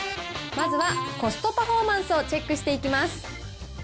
まずはコストパフォーマンスをチェックしていきます。